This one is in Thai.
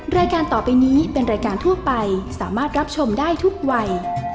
รายการต่อไปนี้เป็นรายการทั่วไปสามารถรับชมได้ทุกวัย